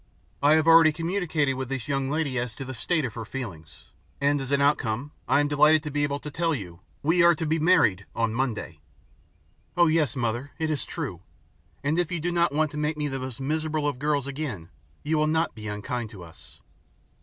I have already communicated with this young lady as to the state of her feelings, and as an outcome I am delighted to be able to tell you we are to be married on Monday." "Oh yes, Mother, it is true, and if you do not want to make me the most miserable of girls again you will not be unkind to us."